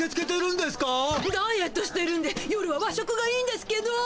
ダイエットしてるんで夜は和食がいいんですけど。